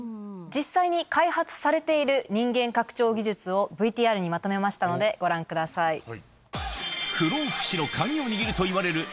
実際に開発されている人間拡張技術をＶＴＲにまとめましたのでご覧ください。とは？